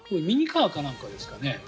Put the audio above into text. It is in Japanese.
ミニカーかなんかですかね？